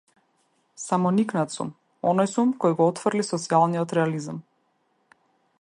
Самоникнат сум, оној сум кој го отфрли социјалниот реализам.